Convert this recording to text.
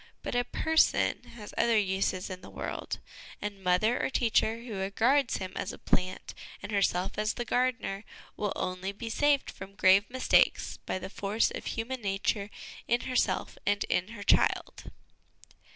But a person has other uses in the world, and mother or teacher who regards him as a plant and herself as the gardener, will only be saved from grave mistakes by the force of human nature in herself and in her child.